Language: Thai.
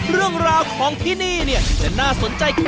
เรื่องราวของที่นี่เนี่ยจะน่าสนใจคุณ